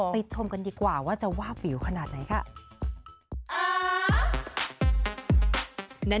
ชมกันดีกว่าว่าจะวาบวิวขนาดไหนค่ะ